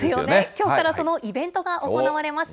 きょうからそのイベントが行われます。